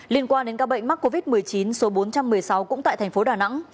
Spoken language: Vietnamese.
liên quan đến các bệnh mắc covid một mươi chín số bốn trăm một mươi sáu cũng tại thành phố đà nẵng